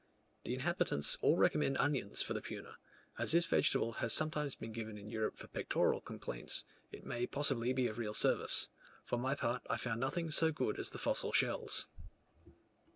The inhabitants all recommend onions for the puna; as this vegetable has sometimes been given in Europe for pectoral complaints, it may possibly be of real service: for my part I found nothing so good as the fossil shells!